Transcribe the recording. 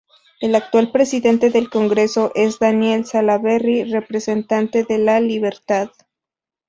El actual Presidente del Congreso es Daniel Salaverry, representante de La Libertad.